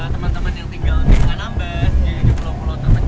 teman teman yang tinggal di anambes di pulau pulau terkecil di luar indonesia